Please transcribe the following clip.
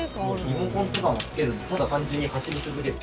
リモコンとかもつけずにただ単純に走り続ける。